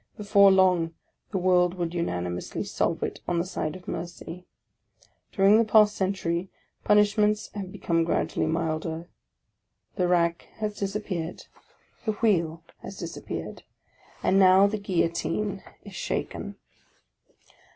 Before long, the world will unanimously solve it on the side of mercy. During the past century, punishments have become gradually milder : the rack has disappeared, the wheel has disappeared : M. VICTOR HUGO 37 and now the Guillotine is shaken.